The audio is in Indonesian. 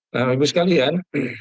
nah ibu sekalian